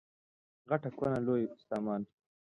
غټه کونه لوی سامان.